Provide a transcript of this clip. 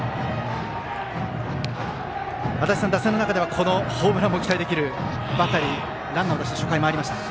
足達さん、打線の中ではホームランも期待できるバッターにランナーを出して初回、回りました。